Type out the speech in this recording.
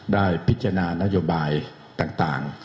ได้พิจารณานโยบายต่าง